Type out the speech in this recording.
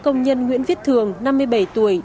công nhân nguyễn viết thường năm mươi bảy tuổi